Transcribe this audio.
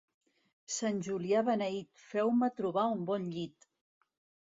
Sant Julià beneït, feu-me trobar un bon llit.